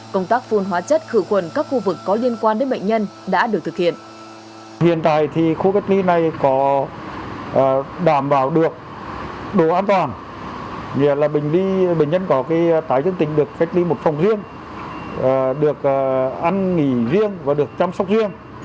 công tác phun hóa chất khử khuẩn các khu vực có liên quan đến bệnh nhân đã được thực hiện